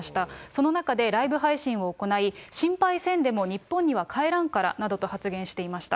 その中でライブ配信を行い、心配せんでも日本には帰らんからなどと発言していました。